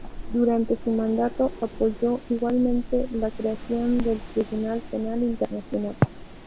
Durante su mandato apoyó igualmente la creación del Tribunal Penal Internacional.